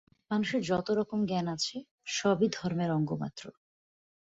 মানুষের যত রকম জ্ঞান আছে, সবই ধর্মের অঙ্গমাত্র।